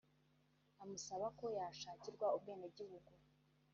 amusaba ko yashakirwa ubwenegihugu